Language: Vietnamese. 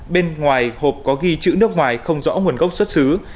bên ngoài hộp có ghi chữ nước ngoài không rõ nguồn gốc xuất xứ